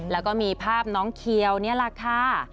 แล้วก็มีภาพน้องเคียวนี่แหละค่ะ